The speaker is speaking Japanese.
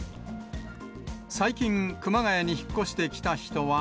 最近、熊谷に引っ越してきた人は。